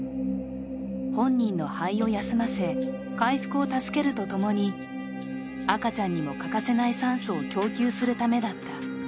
本人の肺を休ませ、回復を助けるとともに赤ちゃんにも欠かせない酸素を供給するためだった。